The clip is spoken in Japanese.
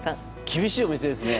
厳しいお店ですね。